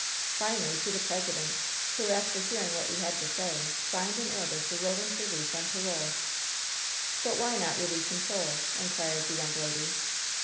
Finally to the President, who, after hearing what we had to say, signed an order for Roland's release on parole." "But why not release in full?" inquired the young lady.